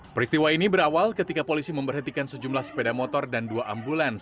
peristiwa ini berawal ketika polisi memberhentikan sejumlah sepeda motor dan dua ambulans